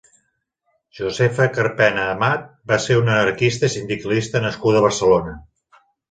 Josefa Carpena-Amat va ser una anarquista i sindicalista nascuda a Barcelona.